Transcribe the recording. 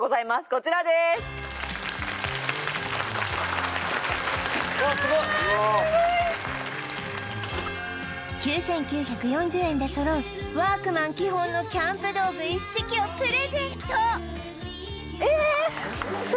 こちらでーす９９４０円で揃うワークマン基本のキャンプ道具一式をプレゼントええ！？